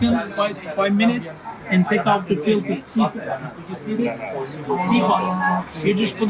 anda hanya meletakkan teapot